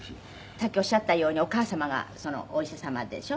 さっきおっしゃったようにお母様がお医者様でしょ。